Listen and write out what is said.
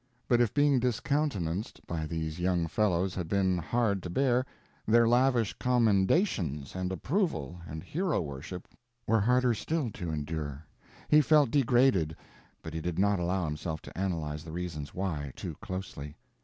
But if being discountenanced by these young fellows had been hard to bear, their lavish commendations and approval and hero worship were harder still to endure. He felt degraded, but he did not allow himself to analyze the reasons why, too closely.